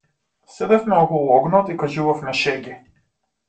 Седевме околу огнот и кажувавме шеги.